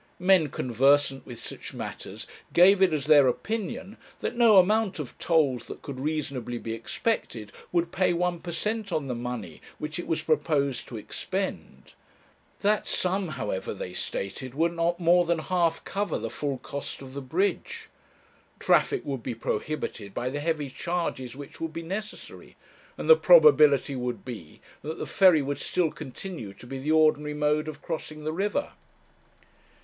Men conversant with such matters gave it as their opinion that no amount of tolls that could reasonably be expected would pay one per cent on the money which it was proposed to expend; that sum, however, they stated, would not more than half cover the full cost of the bridge. Traffic would be prohibited by the heavy charges which would be necessary, and the probability would be that the ferry would still continue to be the ordinary mode of crossing the river.